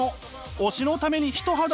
推しのために一肌脱ぐ